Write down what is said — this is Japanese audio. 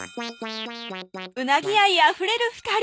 うなぎ愛あふれる２人